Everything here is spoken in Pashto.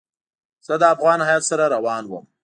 زه د افغان هیات سره روان وم.